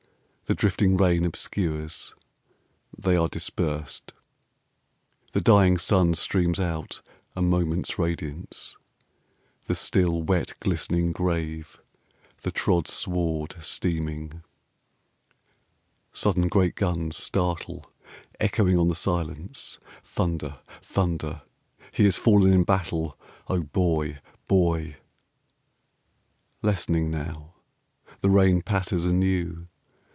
The drifting rain obscures. They are dispersed. The dying sun streams out: a moment's radiance; The still, wet, glistening grave; the trod sward steaming. Sudden great guns startle, echoing on the silence. Thunder. Thunder. HE HAS FALLEN IN BATTLE. (O Boy! Boy!) Lessening now. The rain Patters anew.